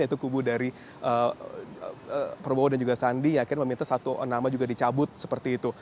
dan juga tuntutan dari kubu lain kubu yang lain yaitu kubu dari perbowo dan juga sandi yakin meminta satu nama juga dicabut seperti itu